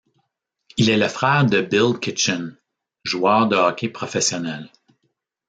Il est le frère de Bill Kitchen, joueur de hockey professionnel.